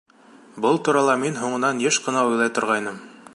Был турала мин һуңынан йыш ҡына уйлай торғайным.